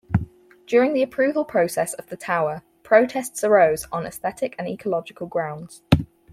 During the approval process of the tower, protests arose on aesthetic and ecological grounds.